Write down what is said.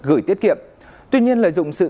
gửi tiết kiệm tuy nhiên lợi dụng sự